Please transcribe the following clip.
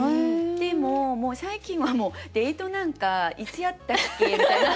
でも最近はもうデートなんかいつやったっけ？みたいな。